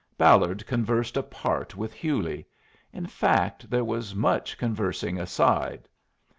Ballard conversed apart with Hewley; in fact, there was much conversing aside.